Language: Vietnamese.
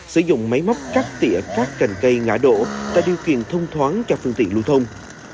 sử dụng máy móc cắt tỉa các cành cây ngã đổ tạo điều kiện thông thoáng cho phương tiện lưu thông